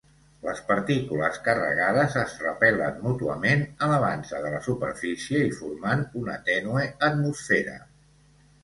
Les partícules carregades es repelen mútuament elevant-se de la superfície i formant una tènue atmosfera.